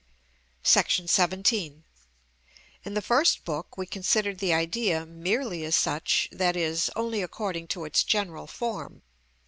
§ 17. In the first book we considered the idea merely as such, that is, only according to its general form.